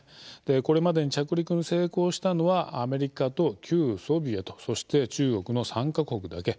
これまでに着陸に成功したのはアメリカと旧ソビエトそして、中国の３か国だけ。